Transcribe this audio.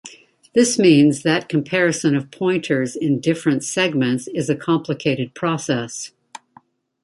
This means that comparison of pointers in different segments is a complicated process.